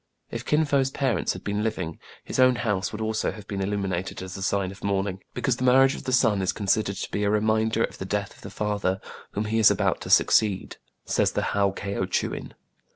If Kin Fo*s parents had been living, his own house would also have been illuminated as a sign of mourning ;" because the marriage of the son is considered to be a remind er of the death of the father, whom he is about to succeed," says the " Hao Khieou Tchouen."